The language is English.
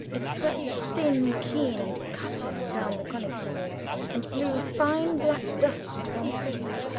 It swept, thin, keen and cutting, down the Königsallée, and blew fine black dust into one's face.